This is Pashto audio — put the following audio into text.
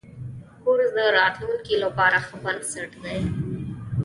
کورس د راتلونکي لپاره ښه بنسټ دی.